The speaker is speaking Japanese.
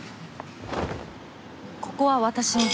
ここは私に。